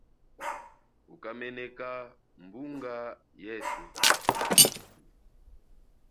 Uka meneka mbunga yeswe.